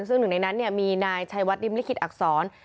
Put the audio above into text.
ซึ่งหนึ่งในนั้นมีนายชัยวัดริมลิขิตอักษร